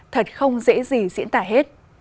thật không dễ gì diễn tả hết